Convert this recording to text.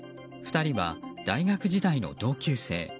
２人は大学時代の同級生。